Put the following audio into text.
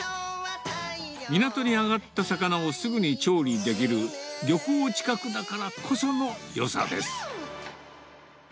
港に上がった魚をすぐに調理できる漁港近くだからこそのよさです。